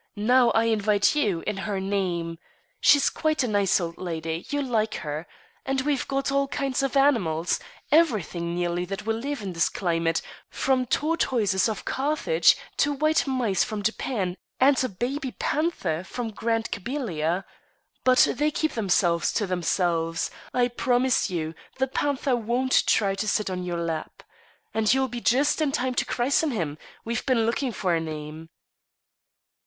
Now I invite you, in her name. She's quite a nice old lady. You'll like her. And we've got all kinds of animals everything, nearly, that will live in this climate, from tortoises of Carthage, to white mice from Japan, and a baby panther from Grand Kabylia. But they keep themselves to themselves. I promise you the panther won't try to sit on your lap. And you'll be just in time to christen him. We've been looking for a name."